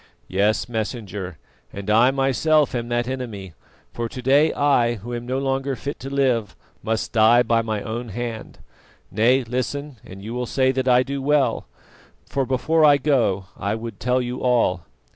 "Yes, Messenger, and I myself am that enemy; for to day I, who am no longer fit to live, must die by my own hand. Nay, listen and you will say that I do well, for before I go I would tell you all.